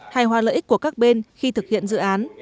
hay hoa lợi ích của các bên khi thực hiện dự án